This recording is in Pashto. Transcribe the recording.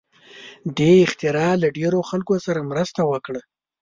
دې اختراع له ډېرو خلکو سره مرسته وکړه.